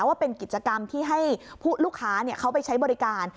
ว่าเป็นกิจกรรมที่ให้ลูกค้าเขาไปใช้บริการ